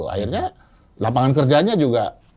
akhirnya lapangan kerjanya juga